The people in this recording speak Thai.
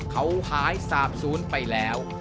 เขาหายสาบศูนย์ไปแล้ว